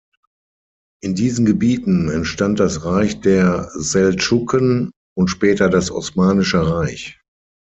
In diesen Gebieten entstand das Reich der Seldschuken und später das Osmanische Reich.